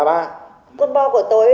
quân bò của tôi